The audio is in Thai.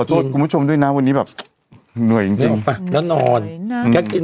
ขอโทษคุณผู้ชมด้วยนะวันนี้เหนื่อยจริง